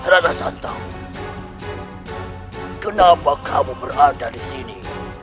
rana santan kenapa kamu berada di sini